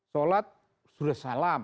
sholat sudah salam